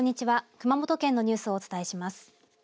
熊本県のニュースをお伝えします。